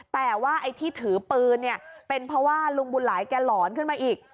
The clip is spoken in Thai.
แต่ว่าไอ้ที่ถือปืนเนี่ยเป็นเพราะว่าลุงบุญหลายแกหลอนขึ้นมาอีก